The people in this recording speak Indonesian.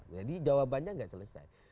jadi jawabannya nggak selesai